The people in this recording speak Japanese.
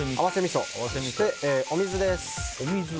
そして、お水です。